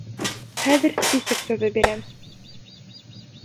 Хәҙер список төҙөп бирәм.